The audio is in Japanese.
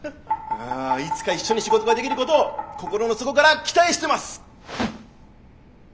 いつか一緒に仕事ができることを心の底から期待してます！